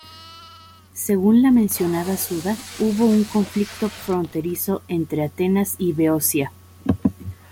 Según la mencionada Suda, hubo un conflicto fronterizo entre Atenas y Beocia.